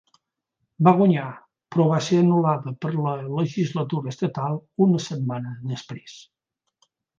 Va guanyar, però va ser anul·lada per la legislatura estatal una setmana després.